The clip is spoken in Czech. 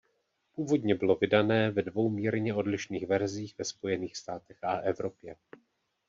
Původně bylo vydané ve dvou mírně odlišných verzích ve Spojených státech a Evropě.